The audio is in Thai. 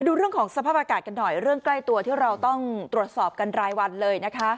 ดูเรื่องของสภาพอากาศกันหน่อยเรื่องใกล้ตัวที่เราต้องตรวจสอบกันรายวันเลยนะคะ